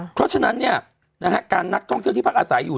เพราะฉะนั้นการนักท่องเที่ยวที่พักอาศัยอยู่